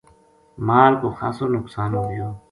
مال کو خاصو نقصان ہوگیو